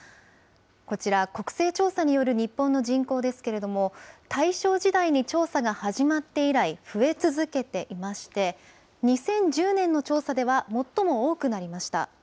こちら、国勢調査による日本の人口ですけれども、大正時代に調査が始まって以来、増え続けていまして、２０１０年の調査では最も多くなりました。